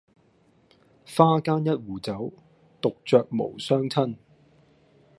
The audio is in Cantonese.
花間一壺酒，獨酌無相親